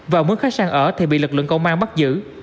và muốn khách sạn ở thì bị lực lượng công an bắt giữ